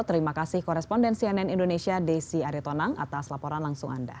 terima kasih koresponden cnn indonesia desi aritonang atas laporan langsung anda